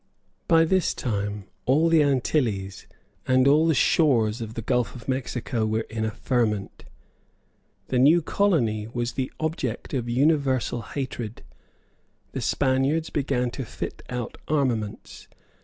By this time all the Antilles and all the shores of the Gulf of Mexico were in a ferment. The new colony was the object of universal hatred. The Spaniards began to fit out armaments.